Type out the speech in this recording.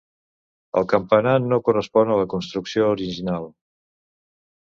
El campanar no correspon a la construcció original.